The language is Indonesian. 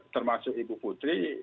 termasuk ibu putri